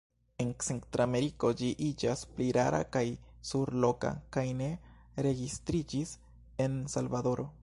En Centrameriko ĝi iĝas pli rara kaj surloka, kaj ne registriĝis en Salvadoro.